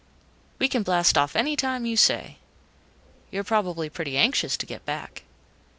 "We can blast off anytime you say. You're probably pretty anxious to get back."